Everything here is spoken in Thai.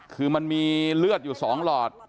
คือมันมีเลือดอยู่๒หลอด